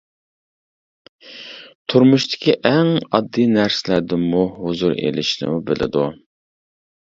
تۇرمۇشتىكى ئەڭ ئاددىي نەرسىلەردىنمۇ ھۇزۇر ئېلىشنىمۇ بىلىدۇ.